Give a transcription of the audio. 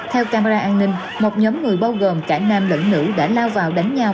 theo camera an ninh một nhóm người bao gồm cả nam lẫn nữ đã lao vào đánh nhau